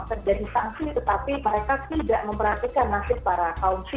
terjadi sanksi tetapi mereka tidak memperhatikan nasib para kaum si